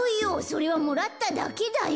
それはもらっただけだよ。